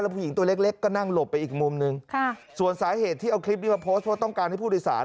ผู้หญิงตัวเล็กเล็กก็นั่งหลบไปอีกมุมหนึ่งค่ะส่วนสาเหตุที่เอาคลิปนี้มาโพสต์เพราะต้องการให้ผู้โดยสาร